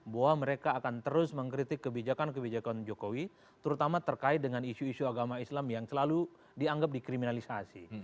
bahwa mereka akan terus mengkritik kebijakan kebijakan jokowi terutama terkait dengan isu isu agama islam yang selalu dianggap dikriminalisasi